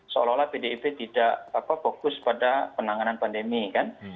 seolah olah pdip tidak fokus pada penanganan pandemi kan